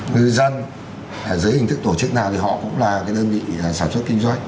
người dân dưới hình thức tổ chức nào thì họ cũng là cái đơn vị sản xuất kinh doanh